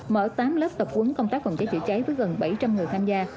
mở tám lớp tập huấn công tác phòng cháy chữa cháy với gần bảy trăm linh người tham gia